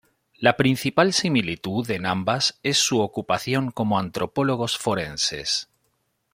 La principal similitud en ambas es su ocupación como antropólogos forenses.